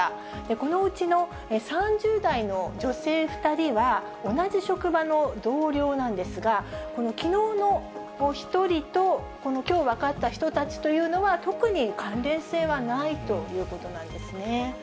このうちの３０代の女性２人は、同じ職場の同僚なんですが、きのうの１人とこのきょう分かった人たちというのは、特に関連性はないということなんですね。